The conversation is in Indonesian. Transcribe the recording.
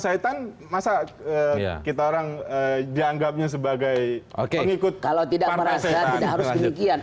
syaitan masa kita orang dianggapnya sebagai oke ikut kalau tidak merasa harus kebijakan